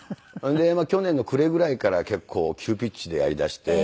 で去年の暮れぐらいから結構急ピッチでやりだして。